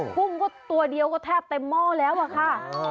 พรุงตัวเดียวก็แทบเต็มหม้อแล้วค่ะ